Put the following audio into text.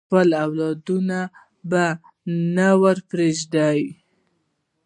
خپل اولادونه به نه ورپریږدي.